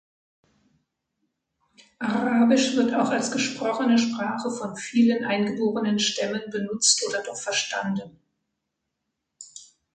Arabisch wird auch als gesprochene Sprache von vielen eingeborenen Stämmen benutzt oder doch verstanden.